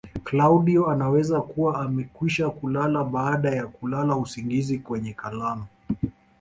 Klaudio anaweza kuwa amekwisha kulala baada ya kulala usingizi kwenye kalamu